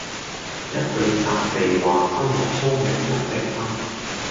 一句責備話深入聰明人的心